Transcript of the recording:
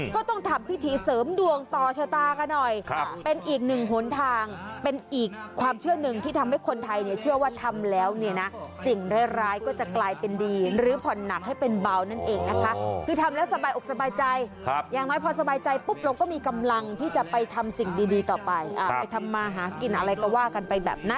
ก็ต้องทำพิธีเสริมดวงต่อชะตากันหน่อยเป็นอีกหนึ่งหนทางเป็นอีกความเชื่อหนึ่งที่ทำให้คนไทยเชื่อว่าทำแล้วสิ่งร้ายก็จะกลายเป็นดีหรือผ่อนหนักให้เป็นเบานั่นเองนะคะ